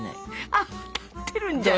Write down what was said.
泡立ってるんじゃない？